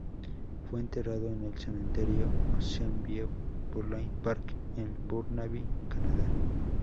Fue enterrado en el Cementerio Ocean View Burial Park de Burnaby, Canadá.